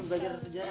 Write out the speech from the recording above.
ini belajar sejarah